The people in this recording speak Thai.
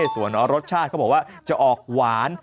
ส่วนรสชาติเขาบอกว่าจะออกหวาน